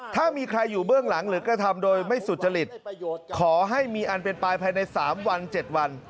ถ้ามีใครอยู่เบื้องหลังหรือกระทำโดยไม่สุจริตขอให้มีอันเป็นไปภายใน๓วัน๗วัน